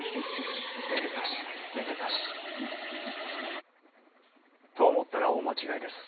めでたしめでたし。と思ったら大間違いです。